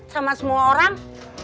sama semua orang